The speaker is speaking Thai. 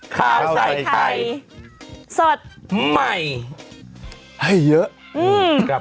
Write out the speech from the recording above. สวัสดีครับ